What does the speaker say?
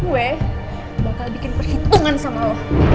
gue bakal bikin perhitungan sama lo